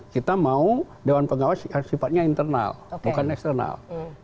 kita mau dewan pengawas sifatnya internal bukan eksternal